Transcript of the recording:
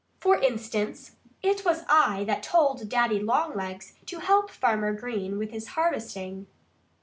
For instance, it was I that told Daddy Longlegs to help Farmer Green with his harvesting."